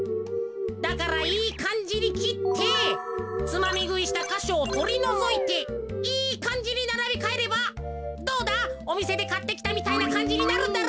だからいいかんじにきってつまみぐいしたかしょをとりのぞいていいかんじにならびかえればどうだおみせでかってきたみたいなかんじになるだろ？